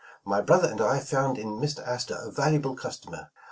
My brother and I found in Mr. Astor a valuable customer.